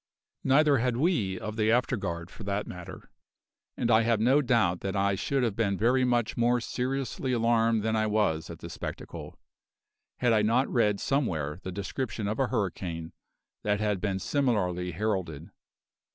Neither had we of the afterguard, for that matter, and I have no doubt that I should have been very much more seriously alarmed than I was at the spectacle, had I not read somewhere the description of a hurricane that had been similarly heralded.